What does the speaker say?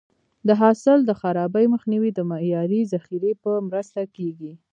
د حاصل د خرابي مخنیوی د معیاري ذخیرې په مرسته کېږي.